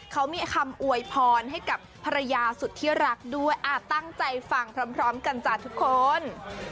เขามีคำอวยพรให้กับภรรยาสุดที่รักด้วยตั้งใจฟังพร้อมกันจ้ะทุกคน